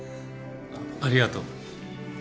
ありがとう。